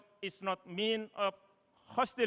maksudnya kebencian atau kebencian